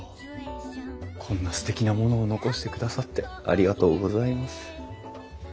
こんなすてきなものを残してくださってありがとうございます。